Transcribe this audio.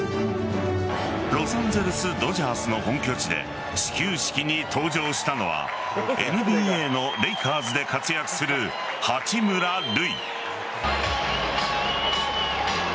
ロサンゼルスドジャースの本拠地で始球式に登場したのはＮＢＡのレイカーズで活躍する八村塁。